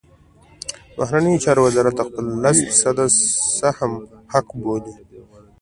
د بهرنیو چارو وزارت د خپل لس فیصدۍ سهم حق بولي.